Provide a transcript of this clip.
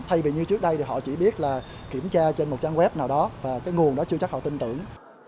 thay vì như trước đây thì họ chỉ biết là kiểm tra trên một trang web nào đó và cái nguồn đó chưa chắc họ tin tưởng